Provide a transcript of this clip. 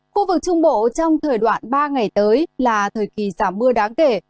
khu vực trung bộ trong thời đoạn ba ngày tới là thời kỳ giảm mưa đáng kể